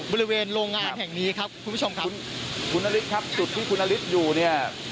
บริเวณโรงงานแห่งนี้ครับคุณผู้ชมครับคุณนฤทธิครับจุดที่คุณนฤทธิ์อยู่เนี่ย